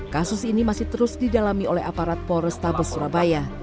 kasus ini masih terus didalami oleh aparat polrestabes surabaya